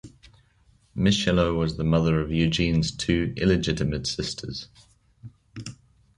Michelot was the mother of Enghien's two illegitimate sisters.